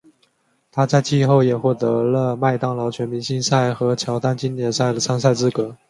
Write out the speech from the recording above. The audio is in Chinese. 他在季后也获得了麦当劳全明星赛和乔丹经典赛的参赛资格。